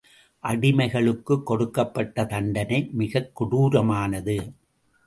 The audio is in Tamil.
அடிமைகளுக்குக் கொடுக்கப்பட்ட தண்டனை மிகக் கொடூரமானது.